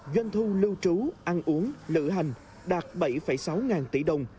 dân thu lưu trú ăn uống lựa hành đạt bảy sáu ngàn tỷ đồng